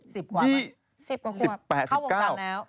สิบกว่าสิบแปดสิบเก้า